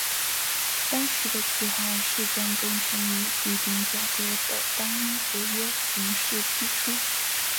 当时的计划是将工程以固定价格的单一合约形式批出。